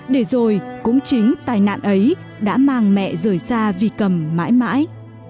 để rồi cũng chính tài nạn ấy đã mang mẹ rời xa vy cầm mãi mãi